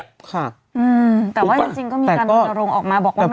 ค่ะอืมแต่ว่าจริงจริงก็มีการอุณโรงออกมาบอกว่าไม่ได้นะ